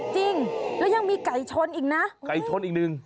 จริงแล้วยังมีไก่ชนอีกนะไก่ชนอีกหนึ่ง